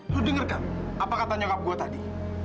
lu dengerkan apa kata nyokap gue tadi